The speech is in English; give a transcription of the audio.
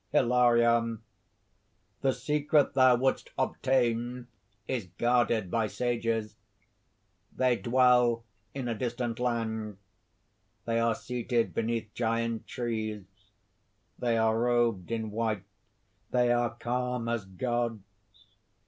HILARION. "The secret thou wouldst obtain is guarded by sages. They dwell in a distant land; they are seated beneath giant trees; they are robed in white; they are calm as Gods!